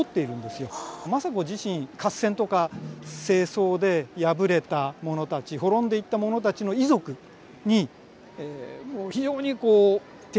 政子自身合戦とか政争で敗れた者たち滅んでいった者たちの遺族に非常に手厚く保護を加えると。